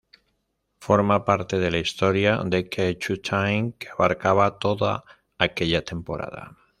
Forma parte de la historia "The Key to Time" que abarcaba toda aquella temporada.